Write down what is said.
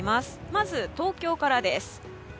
まず、東京からです。